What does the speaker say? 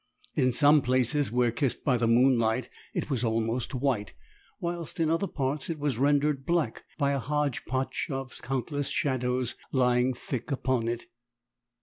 In some places, where kissed by the moonlight, it was almost white, whilst in other parts it was rendered black by a hotch potch of countless shadows lying thick upon it.